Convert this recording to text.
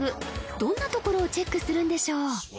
どんなところをチェックするんでしょう？